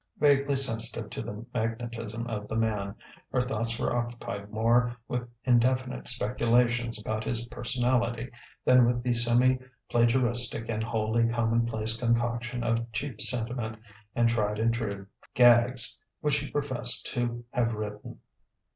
Vaguely sensitive to the magnetism of the man, her thoughts were occupied more with indefinite speculations about his personality than with the semi plagiaristic and wholly commonplace concoction of cheap sentiment and tried and true "gags" which he professed to have written.